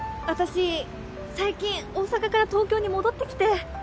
私最近大阪から東京に戻ってきて。